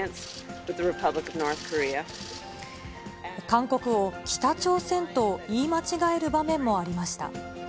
韓国を、北朝鮮と言い間違える場面もありました。